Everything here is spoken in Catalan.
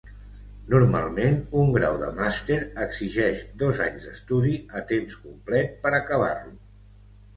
Normalment un grau de màster exigeix dos anys d'estudi a temps complet per acabar-lo.